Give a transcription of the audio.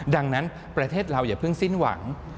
ดังนั้นประเทศเราอย่าเพิ่งสิ้นหวัง